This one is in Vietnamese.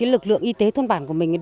lực lượng y tế thôn bản của mình